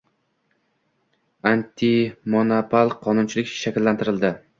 Antimonopol qonunchilik shakllantirildi